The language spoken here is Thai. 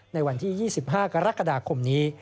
ในวันที่๒๕กรกฎาคมนี้